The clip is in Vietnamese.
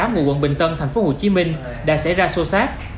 ngụ quận bình tân tp hcm đã xảy ra xô xát